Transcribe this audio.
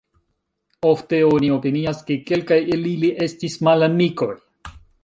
Ofte oni opinias, ke kelkaj el ili estis malamikoj.